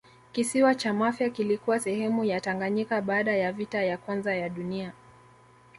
kisiwa cha mafia kilikuwa sehemu ya tanganyika baada ya vita ya kwanza ya dunia